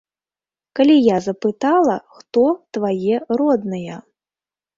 Калі я запытала, хто твае родныя?